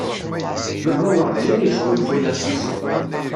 Baba werjin yesgunfuy aṭas.